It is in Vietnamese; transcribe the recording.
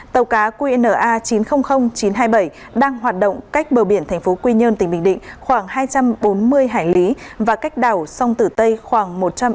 tàu cá qna chín trăm linh nghìn chín trăm hai mươi bảy đang hoạt động cách bờ biển tp quy nhơn tỉnh bình định khoảng hai trăm bốn mươi hải lý và cách đảo sông tử tây khoảng một trăm linh m